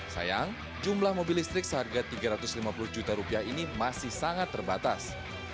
sayang jumlah mobil listrik seharga tiga ratus lima puluh juta rupiah ini masih sangat terbatas